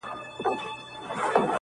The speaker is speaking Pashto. • ټلفون ته یې زنګ راغی د مېرمني -